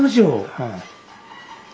はい。